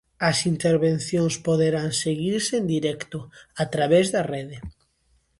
As intervencións poderán seguirse en directo a través da rede.